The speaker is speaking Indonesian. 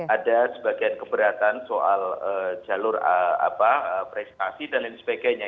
ada sebagian keberatan soal jalur prestasi dan lain sebagainya